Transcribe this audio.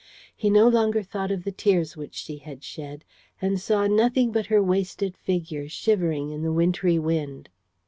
He no longer thought of the tears which she had shed and saw nothing but her wasted figure, shivering in the wintry wind.